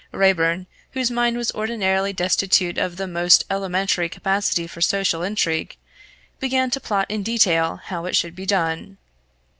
Raeburn, whose mind was ordinarily destitute of the most elementary capacity for social intrigue, began to plot in detail how it should be done.